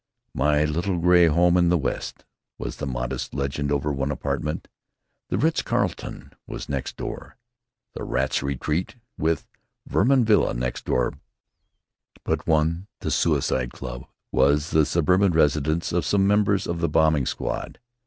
"My Little Gray Home in the West" was the modest legend over one apartment. The "Ritz Carlton" was next door to "The Rats' Retreat," with "Vermin Villa" next door but one. "The Suicide Club" was the suburban residence of some members of the bombing squad.